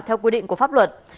theo quy định của pháp luật